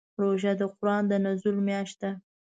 روژه د قرآن د نزول میاشت ده.